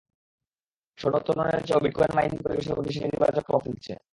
স্বর্ণ উত্তোলনের চেয়েও বিটকয়েন মাইনিং পরিবেশের ওপর বেশি নেতিবাচক প্রভাব ফেলছে।